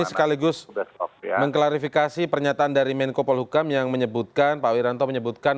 ini sekaligus mengklarifikasi pernyataan dari menko polhukam yang menyebutkan pak wiranto menyebutkan